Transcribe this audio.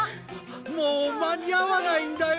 もう間に合わないんだよ。